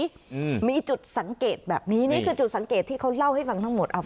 อืมมีจุดสังเกตแบบนี้นี่คือจุดสังเกตที่เขาเล่าให้ฟังทั้งหมดเอา